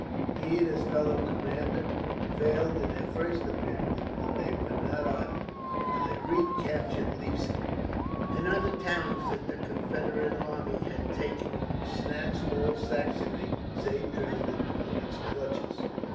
He and his fellow commander failed in their first object; but they were not idle, for they recaptured Leipzig and other towns that the Confederate army had taken, and snatched all Saxony, save Dresden, from its clutches.